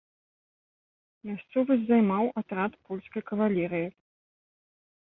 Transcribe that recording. Мясцовасць займаў атрад польскай кавалерыі.